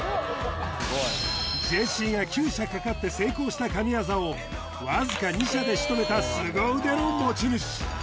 ジェシーが９射かかって成功した神業をわずか２射でしとめた凄腕の持ち主